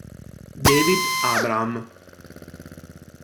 David Abraham